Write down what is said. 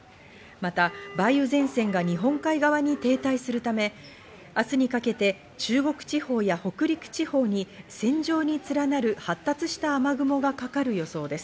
また梅雨前線が日本海側に停滞するため、明日にかけて中国地方や北陸地方に線状に連なる発達した雨雲がかかる予想です。